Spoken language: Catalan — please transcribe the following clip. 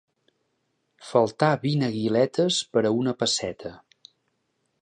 Faltar vint aguiletes per a una pesseta.